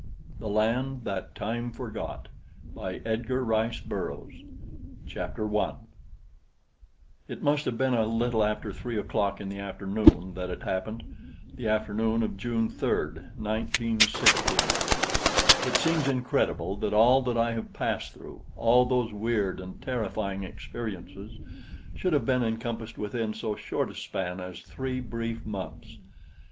The Land that Time Forgot By Edgar Rice Burroughs Chapter 1 It must have been a little after three o'clock in the afternoon that it happened the afternoon of June 3rd, 1916. It seems incredible that all that I have passed through all those weird and terrifying experiences should have been encompassed within so short a span as three brief months.